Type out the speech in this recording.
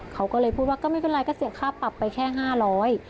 เขาก็เลยพูดว่าก็ไม่เป็นไรก็เสียค่าปรับไปแค่ห้าร้อย